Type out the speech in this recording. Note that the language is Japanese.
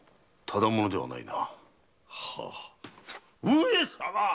・上様！